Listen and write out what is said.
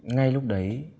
ngay lúc đấy